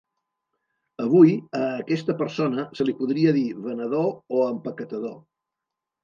Avui a aquesta persona se li podria dir venedor o empaquetador.